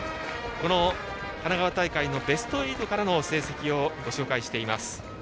この神奈川大会のベスト８からの成績をご紹介しています。